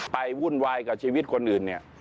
วุ่นวายกับชีวิตคนอื่นเนี่ย